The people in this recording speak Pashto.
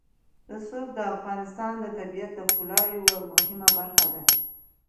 رسوب د افغانستان د طبیعت د ښکلا یوه مهمه برخه ده.